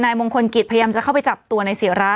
มงคลกิจพยายามจะเข้าไปจับตัวนายศิรา